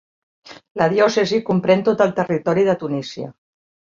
La diòcesi comprèn tot el territori de Tunísia.